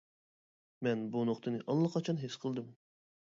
مەن بۇ نۇقتىنى ئاللىقاچان ھېس قىلدىم.